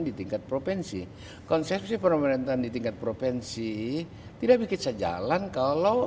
di tingkat provinsi konsepsi pemerintahan di tingkat provinsi tidak bisa jalan kalau